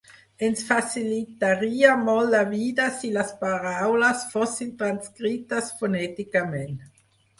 Ens facilitaria molt la vida si les paraules fossin transcrites fonèticament.